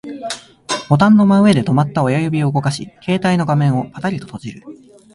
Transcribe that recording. ボタンの真上で止まった親指を動かし、携帯の画面をパタリと閉じる